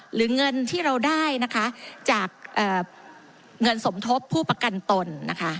หรือเงินที่เราได้นะคะจากเงินสมทบผู้ประกันตนนะคะ